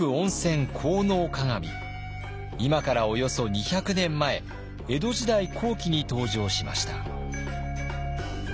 今からおよそ２００年前江戸時代後期に登場しました。